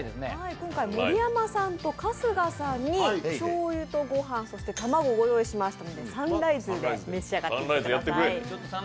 今回盛山さんと春日さんにしょうゆと御飯、そして卵をご用意したのでサンライズで召し上がってください。